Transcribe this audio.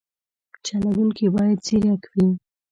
چلوونکی باید ځیرک وي.